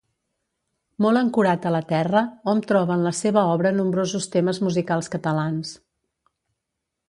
Molt ancorat a la terra, hom troba en la seva obra nombrosos temes musicals catalans.